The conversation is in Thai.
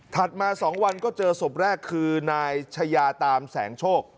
มา๒วันก็เจอศพแรกคือนายชายาตามแสงโชค